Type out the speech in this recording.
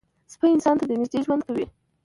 سپي انسان ته نږدې ژوند کوي.